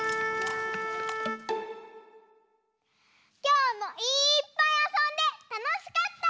きょうもいっぱいあそんでたのしかった！